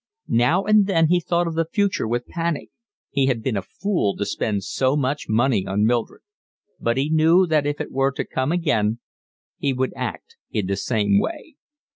Now and then he thought of the future with panic; he had been a fool to spend so much money on Mildred; but he knew that if it were to come again he would act in the same way.